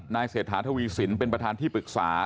นายเศษฐะทวีศิลป์เป็นประธานที่ปรึกษา